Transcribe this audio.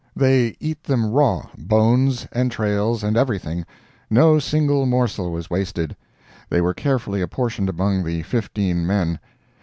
They eat them raw—bones, entrails and everything—no single morsel was wasted; they were carefully apportioned among the fifteen men.